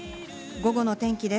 午後の天気です。